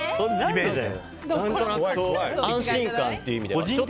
何となく安心感という意味では。